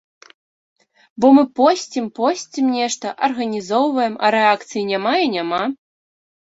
Бо мы посцім-посцім нешта, арганізоўваем, а рэакцыі няма і няма.